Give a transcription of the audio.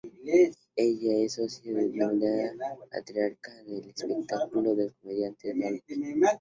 Ella es socia de la denominada patriarca del espectáculo, del comediante Dolphy.